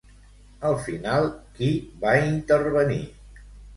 Al final, qui va intervenir?